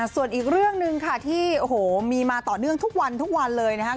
ส่วนอีกเรื่องหนึ่งค่ะที่มีมาต่อเรื่องทุกวันเลยนะครับ